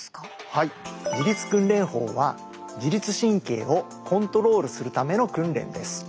はい自律訓練法は自律神経をコントロールするための訓練です。